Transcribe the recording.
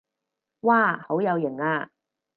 哇好有型啊